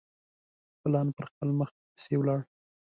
پلان پر خپل مخ پسي ولاړ.